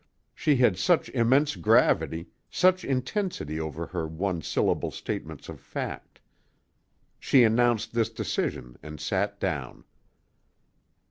She had such immense gravity, such intensity over her one syllable statements of fact. She announced this decision and sat down.